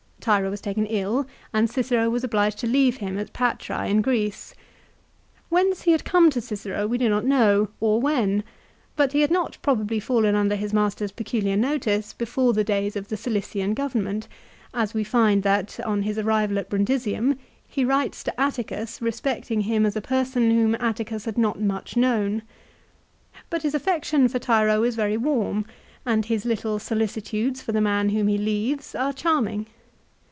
Tiro was taken ill, and Cicero was obliged to leave him at Patrse, in Greece. Whence he had come to Cicero we do not know, or when; but he had not probably fallen under his master's peculiar notice before the days of the Cilician govern ment, as we find that, on his arrival at Erundisium, he writes to Atticus respecting him as a person whom Atticus had not much known. 1 But his affection for Tiro is very warm, and his little solicitudes for the man whom he leaves are charming.